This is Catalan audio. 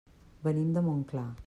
Venim de Montclar.